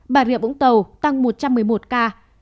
bà rịa vũng tàu tăng một trăm một mươi một ca